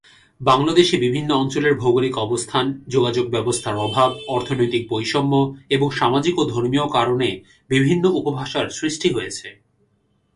বাংলাদেশে বিভিন্ন অঞ্চলের ভৌগোলিক অবস্থান, যোগাযোগ ব্যবস্থার অভাব, অর্থনৈতিক বৈষম্য এবং সামাজিক ও ধর্মীয় কারণে বিভিন্ন উপভাষার সৃষ্টি হয়েছে।